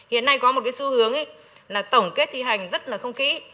hiện nay có một cái xu hướng là tổng kết thi hành rất là không kỹ